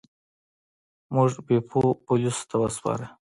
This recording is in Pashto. موږ بیپو پولیسو ته وسپاره.